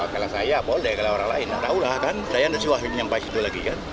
kalau saya boleh kalau orang lain nggak tahu lah kan saya nanti sampai situ lagi kan